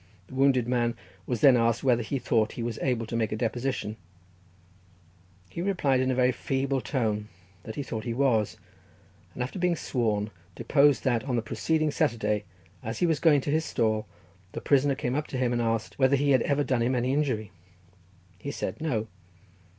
The wounded man was then asked whether he thought he was able to make a deposition; he replied in a very feeble tone that he thought he was, and after being sworn, deposed that on the preceding Saturday, as he was going to his stall, the prisoner came up to him and asked whether he had ever done him any injury? he said no.